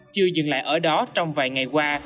chưa dừng lại ở đó trong vài ngày qua